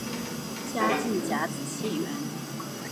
嘉靖甲子解元。